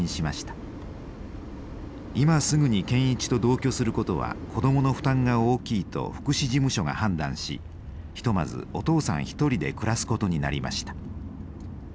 今すぐに健一と同居することは子どもの負担が大きいと福祉事務所が判断しひとまずお父さん１人で暮らすことになりました。